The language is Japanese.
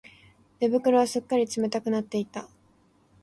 寝袋はすっかり冷たくなっていた